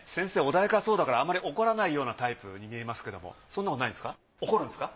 穏やかそうだからあんまり怒らないようなタイプに見えますけどもそんなことないんですか？